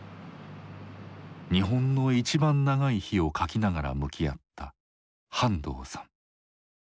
「日本のいちばん長い日」を書きながら向き合った半藤さん。